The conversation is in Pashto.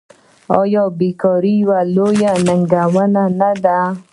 آیا بیکاري یوه لویه ننګونه نه ده؟